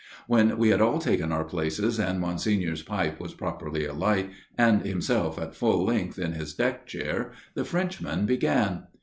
When we had all taken our places and Mon signor's pipe was properly alight, and himself at full length in his deck chair, the Frenchman began.